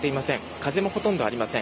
風もほとんどありません。